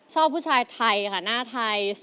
ชอบผู้ชายไทยค่ะหน้าไทย